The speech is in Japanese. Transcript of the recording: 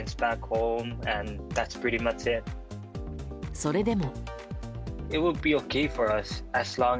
それでも。